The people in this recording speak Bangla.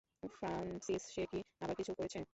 ফ্রানসিস সে কি আবার কিছু করেছে?